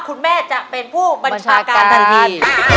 คุณแม่จะเป็นผู้บัญชาการทันที